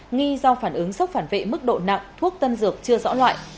nghi do phản ứng sốc phản vệ mức độ nặng thuốc tân dược chưa rõ loại